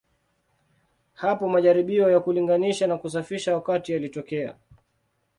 Hapo majaribio ya kulinganisha na kusafisha wakati yalitokea.